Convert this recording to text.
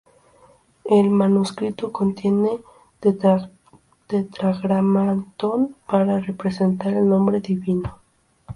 El manuscrito contiene el tetragrámaton para representar el Nombre Divino.